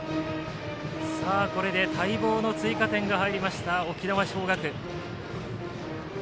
これで待望の追加点が入りました、沖縄尚学。